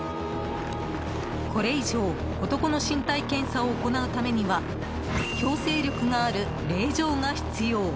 これ以上男の身体検査を行うためには強制力がある令状が必要。